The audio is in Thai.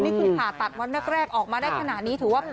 เป็นผ่าตัวนักแรกออกมาได้ขนาดนี้ถิ่นน่ะ